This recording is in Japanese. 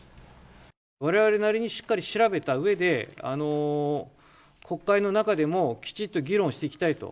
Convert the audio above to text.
われわれなりにしっかり調べたうえで、国会の中でもきちっと議論していきたいと。